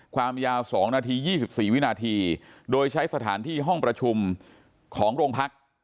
ความยาว๒นาที๒๔วินาทีโดยใช้สถานที่ห้องประชุมของโรงพัก